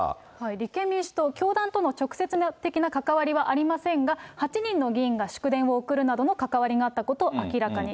立憲民主党、教団との直接的な関わりはありませんが、８人の議員が祝電を送るなどの関わりがあったことを明らかに。